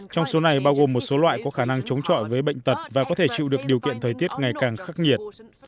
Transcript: trong số này bao gồm một số loại có khả năng chống chọi với bệnh tật và có thể chịu được điều kiện thời tiết ngày càng khắc nhiệt